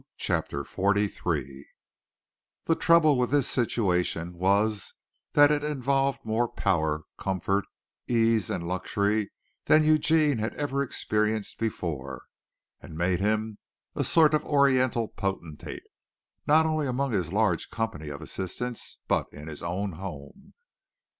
CHAPTER XLIII The trouble with this situation was that it involved more power, comfort, ease and luxury than Eugene had ever experienced before, and made him a sort of oriental potentate not only among his large company of assistants but in his own home.